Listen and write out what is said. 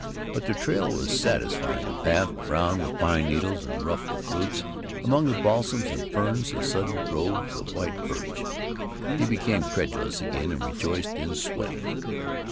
But the trail was satisfying: a path brown with pine needles and rough with roots, among the balsams, the ferns, the sudden groves of white birch. He became credulous again, and rejoiced in sweating.